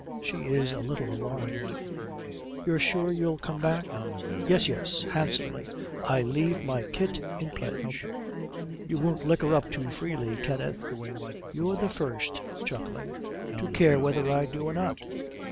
She is a little alarmed. 'You're sure you'll come back?' 'Yes, yes,' handsomely, 'I leave my kit in pledge.' 'You won't liquor up too freely, Kenneth?' 'You're the first,' chuckling, 'to care whether I do or not.'